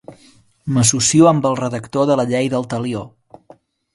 M'ha associo amb el redactor de la llei del Talió.